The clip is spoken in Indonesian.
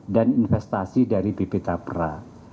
dan investasi dari bp tapera